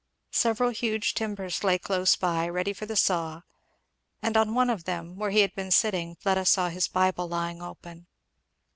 Several huge timbers lay close by, ready for the saw; and on one of them where he had been sitting Fleda saw his Bible lying open.